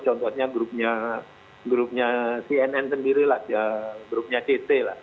contohnya grupnya cnn sendiri grupnya ct